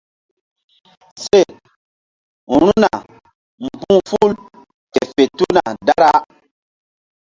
Seru̧na mbu̧h ful ke fe tuna dara.